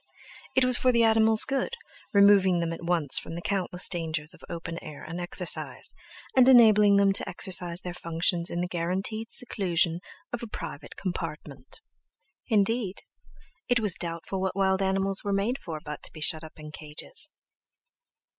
It was for the animals' good, removing them at once from the countless dangers of open air and exercise, and enabling them to exercise their functions in the guaranteed seclusion of a private compartment! Indeed, it was doubtful what wild animals were made for but to be shut up in cages!